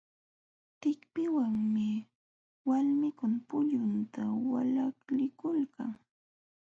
Tikpiwanmi walmikuna pullunta walaklikulkan.